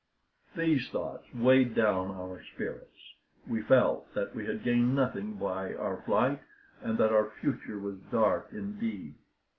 These thoughts weighed down our spirits. We felt that we had gained nothing by our flight, and that our future was dark indeed.